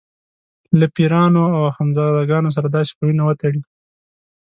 له پیرانو او اخندزاده ګانو سره داسې خویونه وتړي.